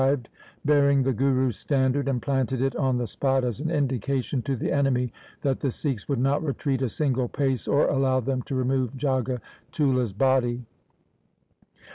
LIFE OF GURU GOBIND SINGH 131 bearing the Guru's standard, and planted it on the spot as an indication to the enemy that the Sikhs would not retreat a single pace, or allow them to remove Jagatullah's body.